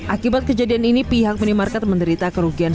akibat kejadian ini pihak minimarket menderita kerugian